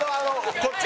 こっちが。